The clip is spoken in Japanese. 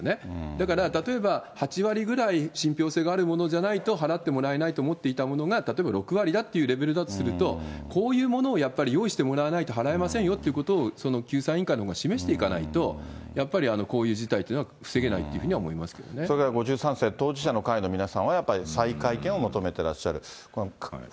だから例えば８割ぐらい信ぴょう性があるものじゃないと払ってもらえないと思っていたものが、例えば６割だっていうレベルだってすると、こういうものをやっぱり用意してもらわないと払えませんよっていうことを、その救済委員会のほうが示していかないと、やっぱりこういう事態っていうのは防げないっていうふうには思いそれから５３世、当事者の会の皆さんは、やっぱり再会見を求めてらっしゃる。